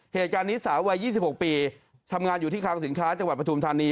เหตุการณ์นี้สาววัย๒๖ปีทำงานอยู่ที่คลังสินค้าจังหวัดปฐุมธานี